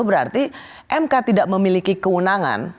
berarti mk tidak memiliki kewenangan